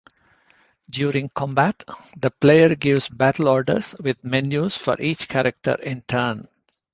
During combat, the player gives battle orders with menu's for each character in turn.